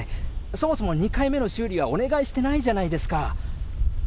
そもそも２回目の修理はお願いしてないじゃないですか。